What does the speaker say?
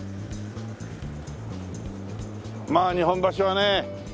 まあ日本橋はね